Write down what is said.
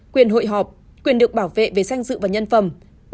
quyền hội họp quyền được bảo vệ về danh dự và nhân phẩm